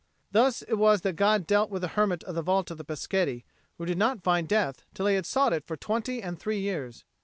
Thus it was that God dealt with the hermit of the vault of the Peschetti, who did not find death till he had sought it for twenty and three years.